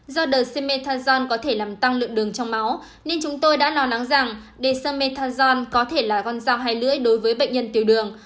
do dexamethasone có thể làm tăng lượng đường trong máu nên chúng tôi đã lo nắng rằng dexamethasone có thể là con dao hai lưỡi đối với bệnh nhân tiểu đường